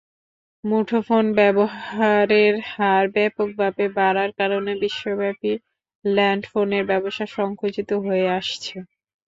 মুঠোফোন ব্যবহারের হার ব্যাপকভাবে বাড়ার কারণে বিশ্বব্যাপী ল্যান্ডফোনের ব্যবসা সংকুচিত হয়ে আসছে।